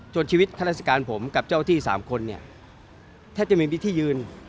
จนชีวิตข้าราศิการผมกับเจ้าที่สามคนเนี่ยแทบจะมีที่ยืน